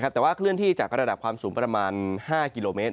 แต่ว่าเคลื่อนที่จากระดับความสูงประมาณ๕กิโลเมตร